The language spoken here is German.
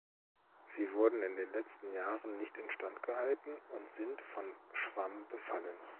Sie wurden in den letzten Jahren nicht instand gehalten und sind von Schwamm befallen.